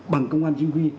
bằng công an chinh quy